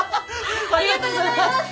ありがとうございます！